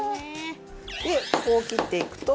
でこう切っていくと。